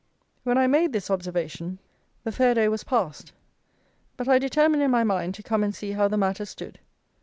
When I made this observation the fair day was passed; but I determined in my mind to come and see how the matter stood.